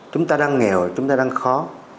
chúng ta đang nghèo chúng ta đang khó